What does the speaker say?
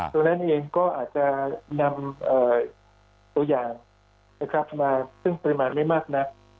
ตัวนั้นเองก็อาจจะนำตัวอย่างมาซึ่งปริมาณไม่มากนัก